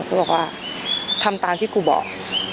เค้าบอกว่าทำตามที่จึงบอก